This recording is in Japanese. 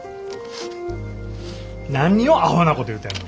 何をアホなこと言うてんの。